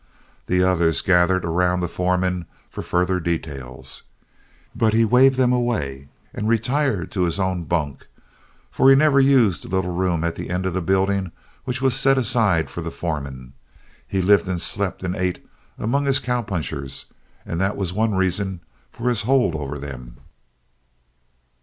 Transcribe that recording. The others gathered around the foreman for further details, but he waved them away and retired to his own bunk. For he never used the little room at the end of the building which was set aside for the foreman. He lived and slept and ate among his cowpunchers and that was one reason for his hold over them.